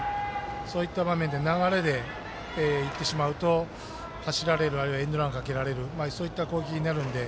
そういった場面で流れでいってしまうと、走られるあるいはエンドランをかけられるそういった攻撃になるんで。